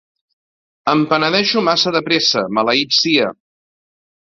Em penedeixo massa de pressa, maleït sia.